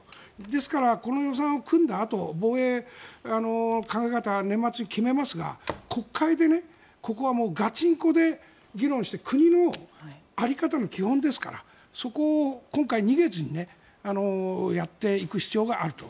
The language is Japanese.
ですから、この予算を組んだあと防衛の考え方を年末に決めますが国会でここはガチンコで議論して国の在り方の基本ですからそこを今回逃げずにやっていく必要があると。